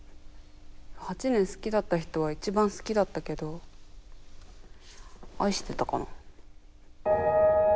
８年好きだった人は一番好きだったけど愛してたかな？